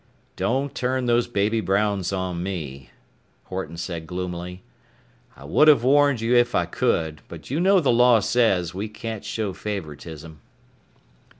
"Don't turn those baby browns on me," Horton said gloomily, "I would have warned you if I could, but you know the law says we can't show favoritism...."